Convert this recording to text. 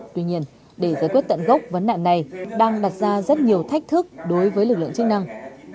tuy nhiên để giải quyết tận gốc vấn nạn này đang đặt ra rất nhiều thách thức đối với lực lượng chức năng